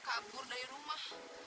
kabur dari rumah